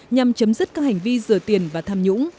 nhằm chấm dứt các hành vi rửa tiền và tham nhũng